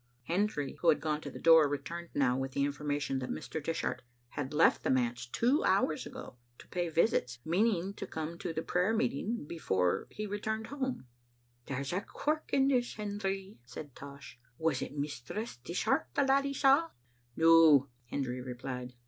Hendry, who had gone to the door, returned now with the information that Mr. Dishart had left the manse two hours ago to pay visits, meaning o come to the prayer meetin beforeg he returned home. "There's a quirk in this, Hendry," said Tosh. "Was it Mistress Dishart the laddie saw?" "No," Hendry replied.